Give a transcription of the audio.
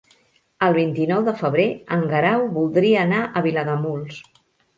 El vint-i-nou de febrer en Guerau voldria anar a Vilademuls.